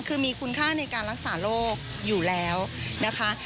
คือมีคุณค่าในการรักษาโรคอยู่แล้วนะคะ